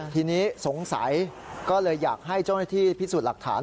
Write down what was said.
ทีนี้สงสัยก็เลยอยากให้เจ้าหน้าที่พิสูจน์หลักฐาน